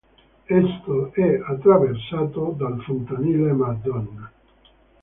Esso è attraversato dal fontanile Madonna.